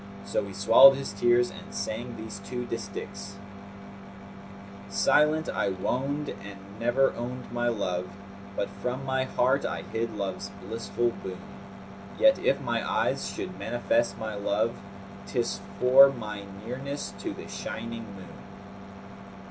So he swallowed his tears and sang these two distichs, "Silent I woned and never owned my love; * But from my heart I hid love's blissful boon; Yet, if my eyes should manifest my love, * 'Tis for my nearness to the shining moon."